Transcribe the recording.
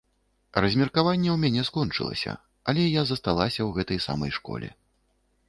Размеркаванне ў мяне скончылася, але я засталася ў гэтай самай школе.